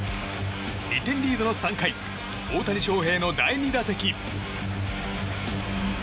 ２点リードの３回大谷翔平の第２打席。